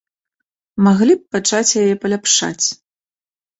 Маглі б пачаць яе паляпшаць.